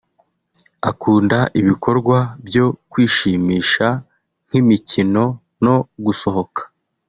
Akunda ibikorwa byo kwishimisha nk’imikino no gusohoka